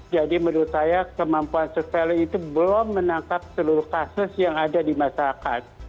jadi menurut saya kemampuan surveillance itu belum menangkap seluruh kasus yang ada di masyarakat